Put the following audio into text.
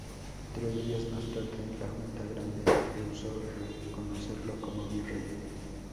Tres días más tarde, la Junta Grande rehusó reconocerlo como virrey.